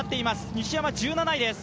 西山、１７位です。